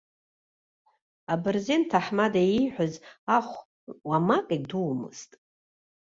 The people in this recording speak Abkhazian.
Абырзен ҭаҳмада ииҳәаз ахә уамак идумызт.